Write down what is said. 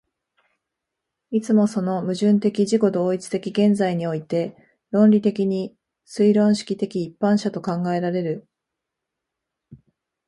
いつもその矛盾的自己同一的現在において論理的に推論式的一般者と考えられる。